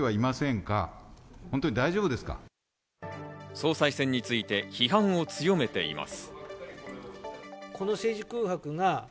総裁選について批判を強めています。